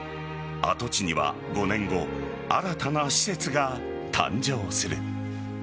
跡地には５年後新たな施設が誕生する。